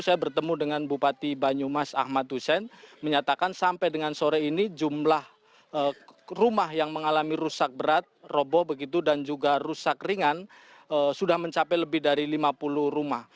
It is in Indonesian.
saya bertemu dengan bupati banyumas ahmad hussein menyatakan sampai dengan sore ini jumlah rumah yang mengalami rusak berat roboh begitu dan juga rusak ringan sudah mencapai lebih dari lima puluh rumah